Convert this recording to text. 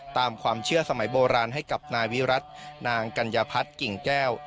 ตามความเชื่อสมัยโบราณให้กับนายวิรัตินางกัญญาพัฒน์กิ่งแก้ว